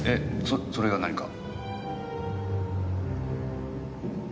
それが何か？